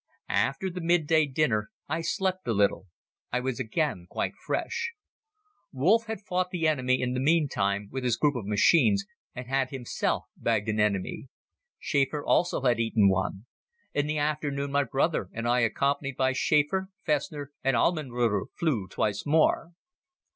After the mid day dinner I slept a little. I was again quite fresh. Wolff had fought the enemy in the meantime with his group of machines and had himself bagged an enemy. Schäfer also had eaten one. In the afternoon my brother and I accompanied by Schäfer, Festner and Allmenröder flew twice more.